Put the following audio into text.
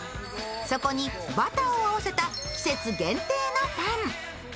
そこにバターを合わせた季節限定のパン。